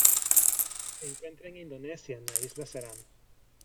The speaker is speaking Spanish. Se encuentra en Indonesia en la isla Ceram.